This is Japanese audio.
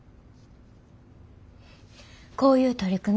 こういう取り組み